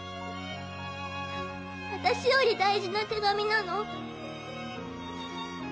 私より大事な手紙なの？